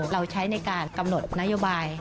เราใช้ในการกำหนดนโยบาย